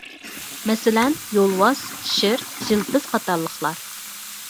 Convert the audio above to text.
مەسىلەن: يولۋاس، شىر، يىلپىز قاتارلىقلار.